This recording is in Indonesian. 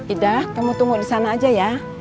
ida kamu tunggu di sana aja ya